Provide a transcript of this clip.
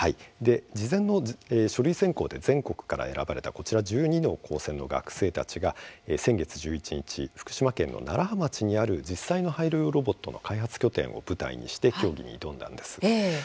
事前の書類選考で全国から選ばれたこちら１２の高専の学生チームが先月１１日、福島県の楢葉町にある実際の廃炉用ロボットの開発拠点を舞台にして競技に挑んだです。